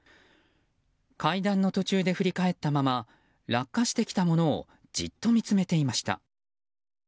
階段の途中で振り返ったまま落下してきたものをじっと見つめていました。